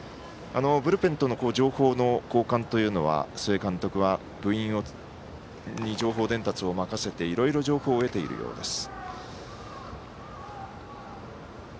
ブルペンとの情報の交換というのは須江監督は部員に情報伝達を任せていろいろ情報を得ているようです。